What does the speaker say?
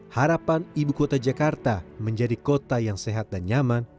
harapan ibu kota jakarta menjadi kota yang sehat dan nyaman